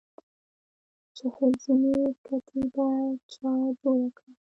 چهل زینې کتیبه چا جوړه کړه؟